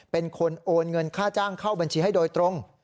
เป็นคนโอนเงินค่าจ้างเข้าบัญชีให้โดยตรง